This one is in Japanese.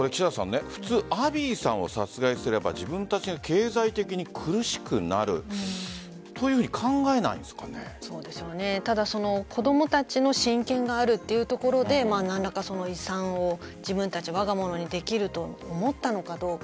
普通アビーさんを殺害していれば自分たちが経済的に苦しくなるというふうにただ、子供たちの親権があるというところで何らか遺産を自分たちわが物にできると思ったのかどうか。